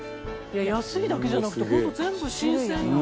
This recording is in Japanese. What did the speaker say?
安いだけじゃなくて本当全部新鮮よね。